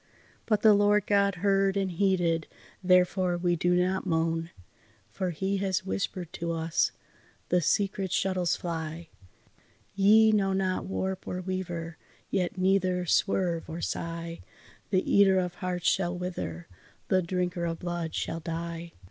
But the Lord God heard and heeded, therefore we do not moan; For He has whispered to us, 'The secret shuttles fly, Ye know not warp or weaver, yet neither swerve or sigh, The eater of hearts shall wither, the drinker of blood shall die.